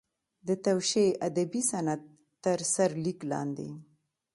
د توشیح ادبي صنعت تر سرلیک لاندې.